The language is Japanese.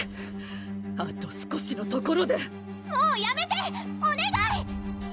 あと少しのところでもうやめておねがい！